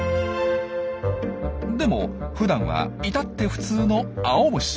でもふだんは至って普通の青虫。